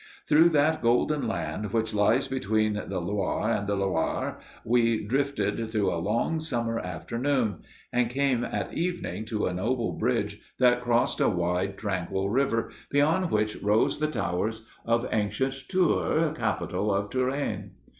Through that golden land which lies between the Loir and the Loire we drifted through a long summer afternoon, and came at evening to a noble bridge that crossed a wide, tranquil river, beyond which rose the towers of ancient Tours, capital of Touraine.